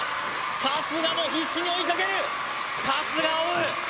春日も必死に追いかける春日追う